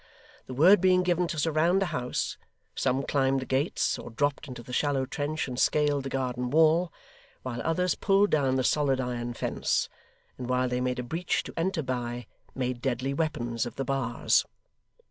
The word being given to surround the house, some climbed the gates, or dropped into the shallow trench and scaled the garden wall, while others pulled down the solid iron fence, and while they made a breach to enter by, made deadly weapons of the bars.